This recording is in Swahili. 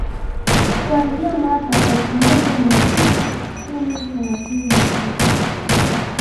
Kuanzia mwaka Elfu moja mia tisa kumi thelathini na tisa